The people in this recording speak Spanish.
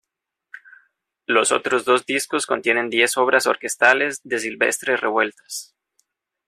Los otros dos discos contienen diez obras orquestales de Silvestre Revueltas.